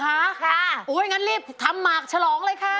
ค่ะอุ้ยงั้นรีบทำหมากฉลองเลยค่ะ